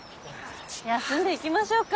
休んでいきましょうか。